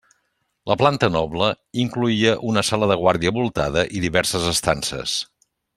La planta noble incloïa una sala de guàrdia voltada i diverses estances.